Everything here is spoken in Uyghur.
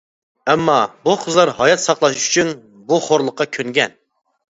ئەمما بۇ قىزلار ھايات ساقلاش ئۈچۈن بۇ خورلۇققا كۆنگەن.